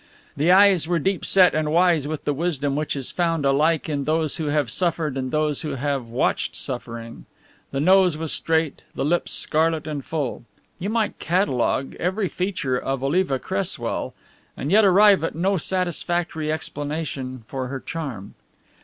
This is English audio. The eyes were deep set and wise with the wisdom which is found alike in those who have suffered and those who have watched suffering. The nose was straight, the lips scarlet and full. You might catalogue every feature of Oliva Cresswell and yet arrive at no satisfactory explanation for her charm.